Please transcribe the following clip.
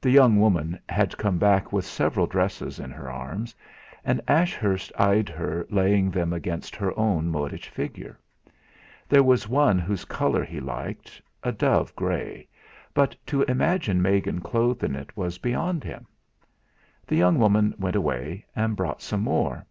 The young woman had come back with several dresses in her arms, and Ashurst eyed her laying them against her own modish figure. There was one whose colour he liked, a dove grey, but to imagine Megan clothed in it was beyond him. The young woman went away, and brought some more.